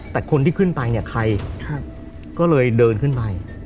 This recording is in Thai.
แต่คนที่ขึ้นไปเนี่ยใครก็เลยเดินขึ้นไป